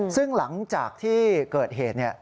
ซึ่งหลังจากที่เกิดเหตุ